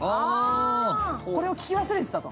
これを聞き忘れてたと。